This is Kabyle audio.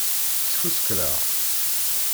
Sfuskreɣ.